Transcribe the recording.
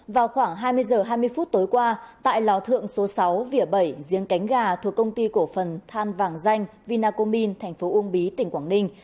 vào khoảng hai mươi h hai mươi phút tối qua tại lò thượng số sáu vỉa bảy riêng cánh gà thuộc công ty cổ phần than vàng danh vinacomine tp ung bí tỉnh quảng ninh